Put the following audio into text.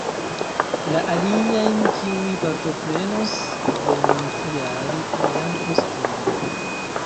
La aliajn, kiuj partoprenos venontjare, li dankos tiam.